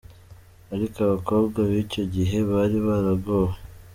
Ariko abakobwa bicyo gihe bari baragowe.